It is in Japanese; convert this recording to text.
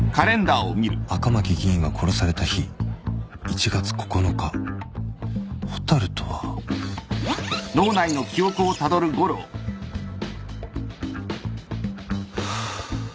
赤巻議員が殺された日１月９日蛍とはハァ。